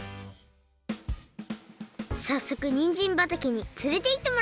さっそくにんじんばたけにつれていってもらいました。